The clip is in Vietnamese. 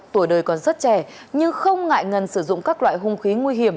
tuổi đời còn rất trẻ nhưng không ngại ngần sử dụng các loại hung khí nguy hiểm